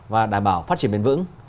và đảm bảo phát triển bền vững